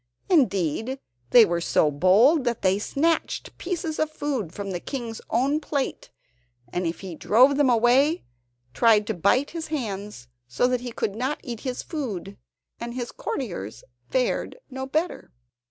Indeed, they were so bold that they snatched pieces of food from the King's own plate, and if he drove them away, tried to bite his hands, so that he could not eat his food, and his courtiers fared no better.